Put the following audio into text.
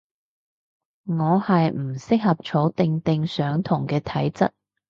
我係唔適合坐定定上堂嘅體質